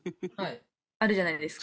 あるじゃないですか。